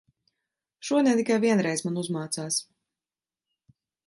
Šodien tikai vienreiz man uzmācās.